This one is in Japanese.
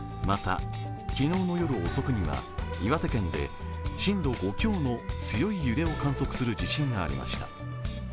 また、昨日の夜遅くには岩手県で震度５強の強い揺れを観測する地震がありました。